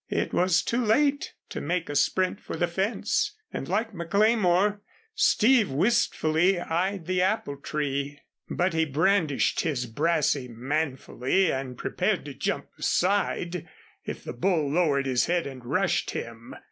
It was too late to make a sprint for the fence, and like McLemore, Steve wistfully eyed the apple tree. But he brandished his brassey manfully and prepared to jump aside if the bull lowered his head and rushed him.